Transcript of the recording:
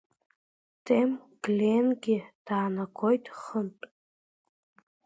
Тем Гленгьы даанагоит хынтә!